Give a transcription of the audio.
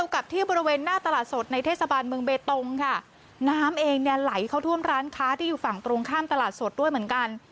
กับที่บริเวณหน้าตลาดสดในเทศบาลเมืองเบตงค่ะน้ำเองเนี่ยไหลเข้าท่วมร้านค้าที่อยู่ฝั่งตรงข้ามตลาดสดด้วยเหมือนกัน